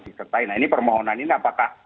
disertai nah ini permohonan ini apakah